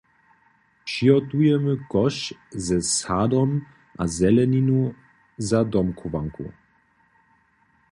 Přihotujemy koš ze sadom a zeleninu za domchowanku.